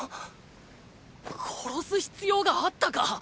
殺す必要があったか？